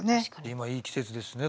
今いい季節ですしね